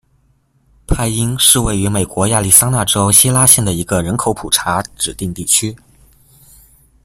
派因是位于美国亚利桑那州希拉县的一个人口普查指定地区。